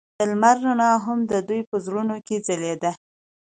د لمر رڼا هم د دوی په زړونو کې ځلېده.